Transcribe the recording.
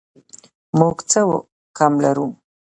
موږ څه کم لرو